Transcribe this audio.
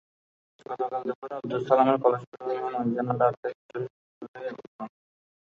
গতকাল দুপুরে আবদুস সালামের কলেজপড়ুয়া মেয়ে মারজানা আরা আক্তার কিছুটা সুস্থ হয়ে ওঠেন।